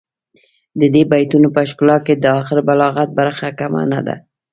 د دې بیتونو په ښکلا کې د اخر بلاغت برخه کمه نه ده.